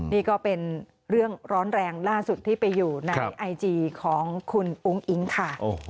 นี่ก็เป็นเรื่องร้อนแรงล่าสุดที่ไปอยู่ในไอจีของคุณอุ้งอิ๊งค่ะ